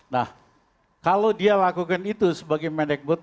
nah kalau dia lakukan itu sebagai medek bot